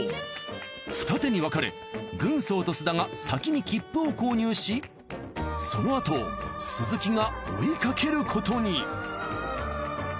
二手に分かれ軍曹と須田が先に切符を購入しそのあと鈴木が追いかけることに。